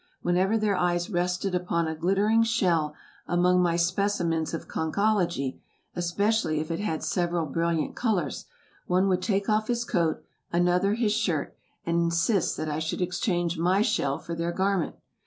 Whenever their eyes rested upon a glittering shell among my specimens of conchology, especially if it had several brilliant colors, one would take off his coat, another his shirt, and insist that I should exchange my shell for their garment.